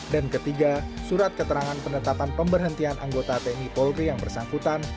dan ketiga surat keterangan penetapan pemberhentian anggota tni polri yang bersangkutan